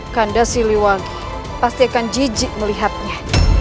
kanda siliwangi pasti akan jijik melihatnya